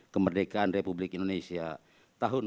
kemerdekaan republik indonesia tahun dua ribu delapan belas